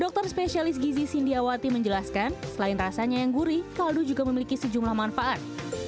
dokter spesialis gizi sindiawati menjelaskan selain rasanya yang gurih kaldu juga memiliki sejumlah manfaat